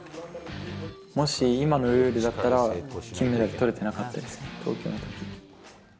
もし、今のルールだったら、金メダルとれてなかったですね、東京のとき。